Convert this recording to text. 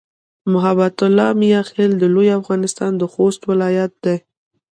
محبت الله "میاخېل" د لوی افغانستان د خوست ولایت دی.